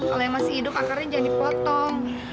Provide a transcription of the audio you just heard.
kalau yang masih hidup akarnya jangan dipotong